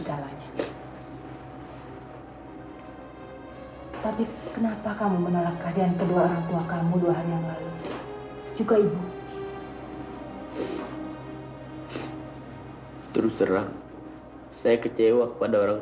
apalagi bagi cara kurniaw dirinya